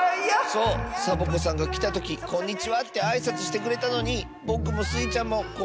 そうサボ子さんがきたとき「こんにちは」ってあいさつしてくれたのにぼくもスイちゃんも「こんにちは」いわなかったッス。